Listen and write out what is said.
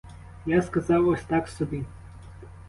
Я сказав ось так собі.